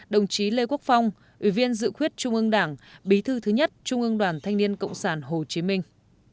ba mươi chín đồng chí lê quốc phong ủy viên dự quyết trung ương đảng bí thư thứ nhất trung ương đoàn thanh niên cộng sản hồ chí minh